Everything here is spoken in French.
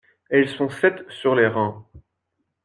Elles sont sept sur les rangs.